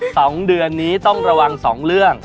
สองเดือนนี้ต้องระวังสองเรื่อง